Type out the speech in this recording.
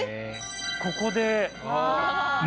ここで。